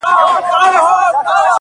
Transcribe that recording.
قاسمیار په زنځیر بند تړلی خوښ یم ,